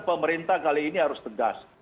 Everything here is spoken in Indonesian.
pemerintah kali ini harus tegas